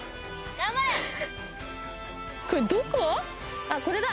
これどこ？